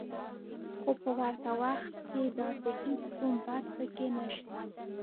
خو په ورته وخت کې داسې هېڅ کوم بد پکې نشته